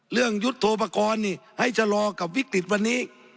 เรื่องยุทธโทประกอลนี่ให้ชะลอกับวิกฤตวันนี้